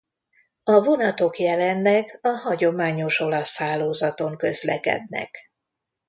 A vonatok jelenleg a hagyományos olasz hálózaton közlekednek.